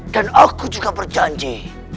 dan aku juga berjanji